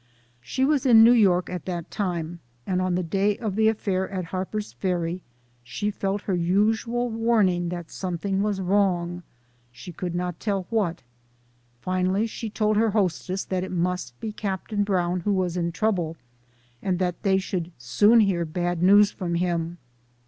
She was in New York at that time, and on the day of the affair at Harper's Ferry, she felt her usual warning that something was wrong she could not tell what. Finally she told her hostess that it must be Captain Brown who was in trouble, and that they should soon hear bad news from him.